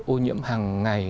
ô nhiễm hàng ngày